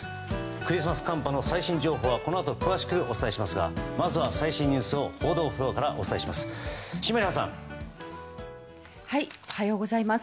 クリスマス寒波の最新情報はこのあと詳しくお伝えしますがまずは最新ニュースを報道フロアからお伝えします。